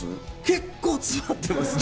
結構詰まってますね。